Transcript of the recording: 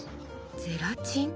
ゼラチン？